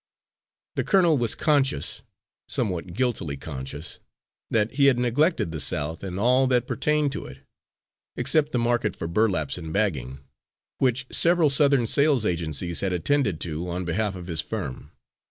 The colonel was conscious, somewhat guiltily conscious, that he had neglected the South and all that pertained to it except the market for burlaps and bagging, which several Southern sales agencies had attended to on behalf of his firm.